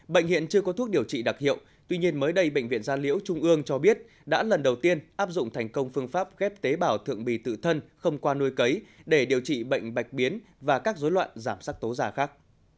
bệnh hiện chưa có thuốc điều trị đặc hiệu tuy nhiên mới đây bệnh viện gia liễu trung ương cho biết đã lần đầu tiên áp dụng thành công phương pháp ghép tế bảo thượng bì tự thân không qua nuôi cấy để điều trị bệnh bạch biến và các dối loạn giảm sắc tố da khác